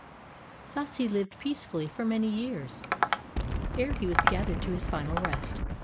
Thus he lived peacefully for many years, ere he was gathered to his final rest.